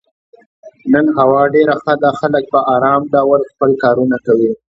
نن هوا ډېره ښه ده او خلک په ارام ډول خپل کارونه کوي.